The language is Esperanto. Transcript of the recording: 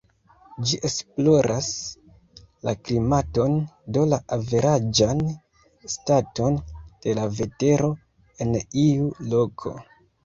Ĝi esploras la klimaton, do la averaĝan staton de la vetero en iu loko.